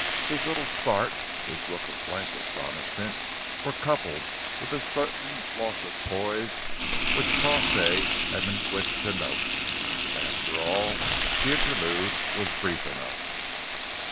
His little start, his look of blank astonishment, were coupled with a certain loss of poise which Crawshay had been quick to note. But, after all, the interlude was brief enough.